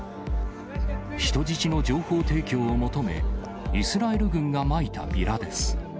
人質の情報提供を求め、イスラエル軍がまいたビラです。